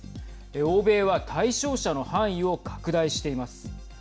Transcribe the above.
欧米は対象者の範囲を拡大しています。